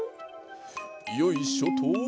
よいしょっと。